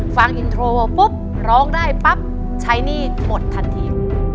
ฟังอินโทรปุ๊บร้องได้ปั๊บใช้หนี้หมดทันที